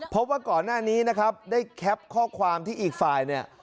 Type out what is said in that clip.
เพราะว่าก่อนหน้านี้นะครับได้แคปข้อความที่อีกฝ่ายเนี่ย